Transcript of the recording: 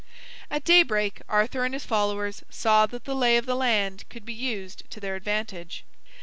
At daybreak Arthur and his followers saw that the lay of the land could be used to their advantage.